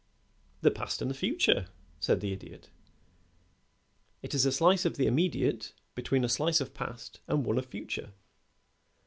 "The past and the future," said the Idiot. "It is a slice of the immediate between a slice of past and one of future."